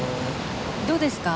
どうですか？